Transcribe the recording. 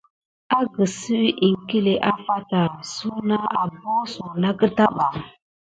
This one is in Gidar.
Akəɗsuw iŋkle afata suna abosuna kita ɓà.